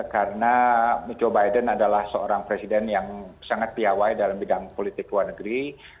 karena joe biden adalah seorang presiden yang sangat piyawai dalam bidang politik luar negeri